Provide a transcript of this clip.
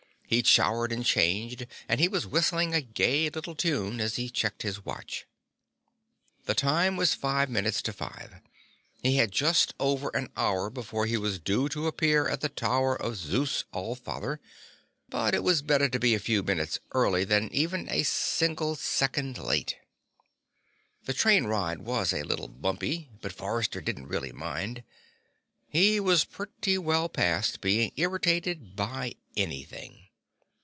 He'd showered and changed and he was whistling a gay little tune as he checked his watch. The time was five minutes to five. He had just over an hour before he was due to appear at the Tower of Zeus All Father, but it was better to be a few minutes early than even a single second late. The train ride was a little bumpy, but Forrester didn't really mind. He was pretty well past being irritated by anything.